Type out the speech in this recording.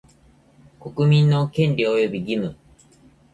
国民の権利及び義務